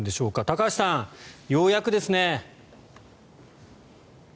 高橋さん、ようやくですね。